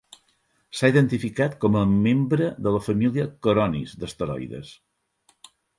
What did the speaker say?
S'ha identificat com a membre de la família Coronis d'asteroides.